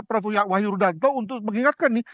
prof wahyu rudanto untuk mengingatkan nih